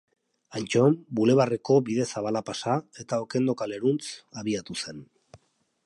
Antton, bulebarreko bide zabala pasa, eta Okendo kaleruntz abiatu zen.